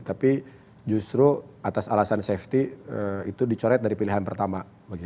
tapi justru atas alasan safety itu dicoret dari pilihan pertama